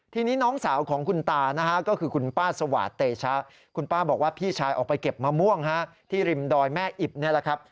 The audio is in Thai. ที่นี้น้องสาวของคุณตาคุณป้าบอกว่าพี่ชายออกไปเก็บมะม่วงฮะที่ริมดอยแม่อิบนะครับ